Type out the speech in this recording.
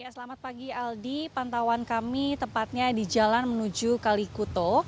selamat pagi aldi pantauan kami tepatnya di jalan menuju kalikuto